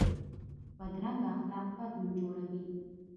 بدرنګه اخلاق بد نوم جوړوي